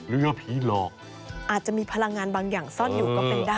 เรือผีหลอกอาจจะมีพลังงานบางอย่างซ่อนอยู่ก็เป็นได้